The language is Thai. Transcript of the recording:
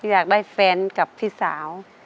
อยากได้แฟนกับพี่สาว